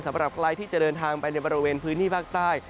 สำหรับใครที่จะเดินทางไปในบริเวณพื้นที่ภาคใต้